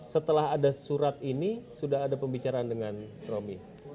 setelah ada surat ini sudah ada pembicaraan dengan romi